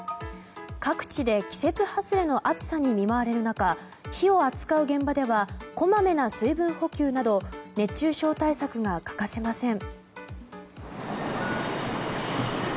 各地で季節外れの暑さに見舞われる中火を扱う現場ではこまめな水分補給など熱中症対策が欠かせません。